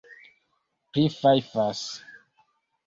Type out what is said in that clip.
prifajfas